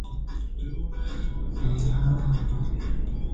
El efecto en el comercio refuerza el efecto en la economía interior.